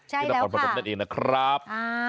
ใช่แล้วค่ะที่นักฟันผลัพธ์นั่นเองนะครับ